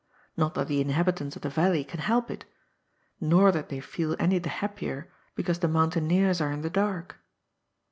Not that the inhabitants of the valley can help it. Nor that they feel any the happier because the mountaineers are in the dark.